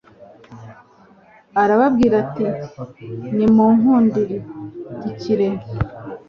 Arababwira ati : "Nimunkurikire."